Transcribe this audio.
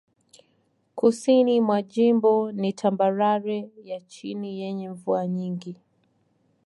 Kusini mwa jimbo ni tambarare ya chini yenye mvua nyingi.